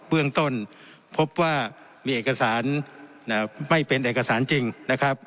เบื้องต้นพบว่ามีเอกสารไม่เป็นเอกสารจริงนะครับ